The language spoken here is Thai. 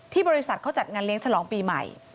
บริษัทเขาจัดงานเลี้ยงฉลองปีใหม่